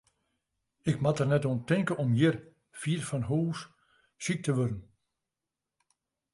Ik moast der net oan tinke om hjir, fier fan hús, siik te wurden.